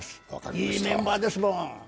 いいメンバーですもん。